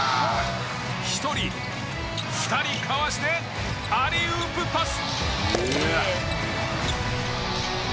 １人２人かわしてアリウープパス！